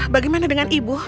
bagaimana dengan ibu